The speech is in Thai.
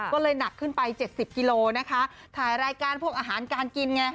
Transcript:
ก็เลยหนักขึ้นไป๗๐กิโลนะคะถ่ายรายการพวกอาหารการกินไง